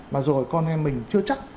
mà rồi con em mình chưa chắc